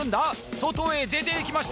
外へ出ていきました！